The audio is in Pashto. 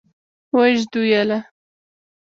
ويې ژدويله.